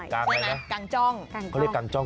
กางอะไรนะกางจ้องเขาเรียกกางจ้อง